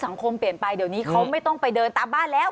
เปลี่ยนไปเดี๋ยวนี้เขาไม่ต้องไปเดินตามบ้านแล้ว